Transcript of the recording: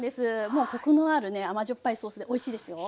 もうコクのあるね甘じょっぱいソースでおいしいですよ。